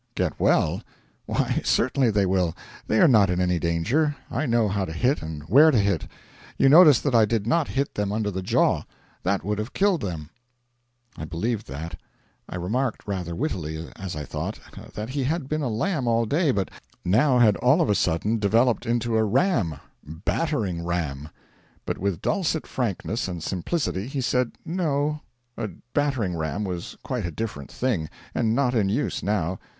'Get well? Why, certainly they will. They are not in any danger. I know how to hit and where to hit. You noticed that I did not hit them under the jaw. That would have killed them.' I believed that. I remarked rather wittily, as I thought that he had been a lamb all day, but now had all of a sudden developed into a ram battering ram; but with dulcet frankness and simplicity he said no, a battering ram was quite a different thing, and not in use now.